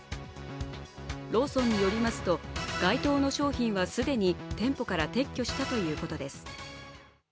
ローソンによりますと該当の商品は既に店舗から撤去したということです。